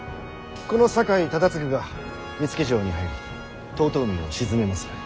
この酒井忠次が見附城に入り遠江を鎮めまする。